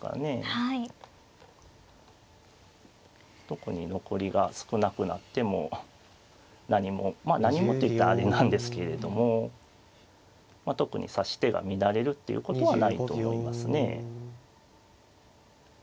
特に残りが少なくなっても何もまあ何もって言ったらあれなんですけれどもまあ特に指し手が乱れるっていうことはないと思いますね。